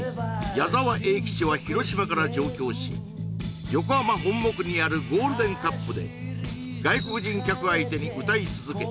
矢沢永吉は広島から上京し横浜・本牧にあるゴールデンカップで外国人客相手に歌い続け